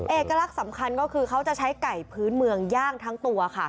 เอกลักษณ์สำคัญก็คือเขาจะใช้ไก่พื้นเมืองย่างทั้งตัวค่ะ